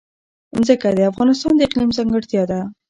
ځمکه د افغانستان د اقلیم ځانګړتیا ده.